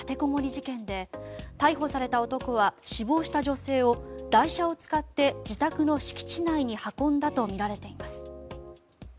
事件で逮捕された男は死亡した女性を台車を使って自宅の敷地内に運んだとみられています。